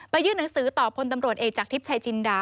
ยื่นหนังสือต่อพลตำรวจเอกจากทิพย์ชายจินดา